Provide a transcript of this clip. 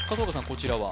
こちらは？